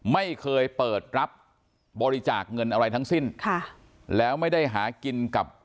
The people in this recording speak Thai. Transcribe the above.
ไม่เคยเปิดรับบริจาคเงินอะไรทั้งสิ้นค่ะแล้วไม่ได้หากินกับ